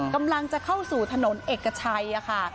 กำลังจะเข้าสู่ถนนเอกชัยค่ะ